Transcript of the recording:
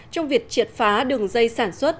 trong việc triệt phá đường dây sản xuất